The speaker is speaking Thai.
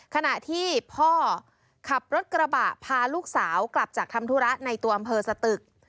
ขณะที่พ่อขับรถกระบะพาลูกสาวกลับจากทำธุระในตัวอำเภอสตึก